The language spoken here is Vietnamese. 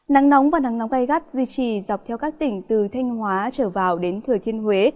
nắng nóng và nắng nóng gai gắt duy trì dọc theo các tỉnh từ thanh hóa trở vào đến thừa thiên huế